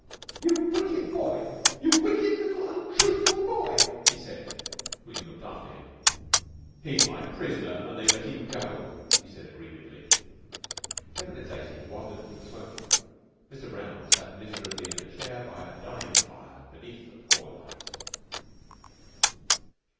"You wicked boy! You wicked little, untruthful boy," he said. William looked after him. "He's my prisoner an' they've let him go," he said aggrievedly. Ten minutes later he wandered into the smoking room. Mr. Brown sat miserably in a chair by a dying fire beneath a poor light.